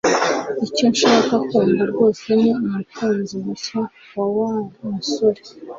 Icyo nshaka kumva rwose ni umukunzi mushya wa Wa musore